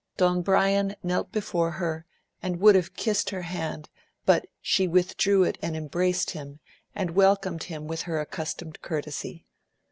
Don Brian knelt before her, and would have kissed her hand, but she withdrew it and embraced him and welcomed him with her accustomed courtesy.